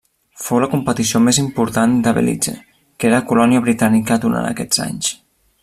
Fou la competició més important de Belize, que era colònia britànica durant aquests anys.